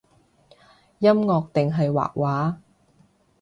音樂定係畫畫？